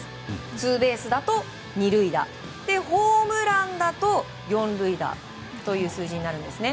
ツーベースだと２塁打ホームランだと４塁打という数字になるんですね。